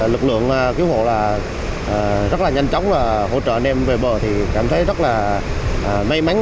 lực lượng cứu hộ là rất là nhanh chóng hỗ trợ anh em về bờ thì cảm thấy rất là may mắn